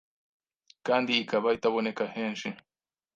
kandi ikaba itaboneka henshi